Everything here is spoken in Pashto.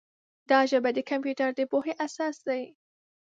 دا ژبه د کمپیوټر د پوهې اساس دی.